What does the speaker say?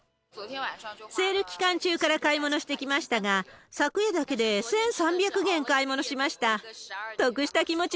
セール期間中から買い物してきましたが、昨夜だけで１３００元買い物しました。